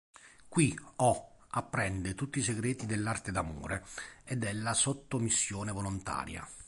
Qui O apprende tutti i segreti dell'arte d'amore e della sottomissione volontaria.